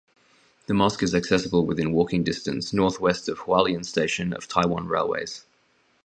The mosque is accessible within walking distance northwest of Hualien Station of Taiwan Railways.